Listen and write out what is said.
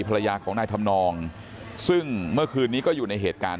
ภรรยาของนายธรรมนองซึ่งเมื่อคืนนี้ก็อยู่ในเหตุการณ์